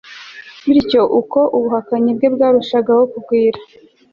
bityo uko ubuhakanyi bwe bwarushagaho kugwira